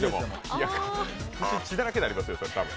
いや、口、血だらけになりますよ。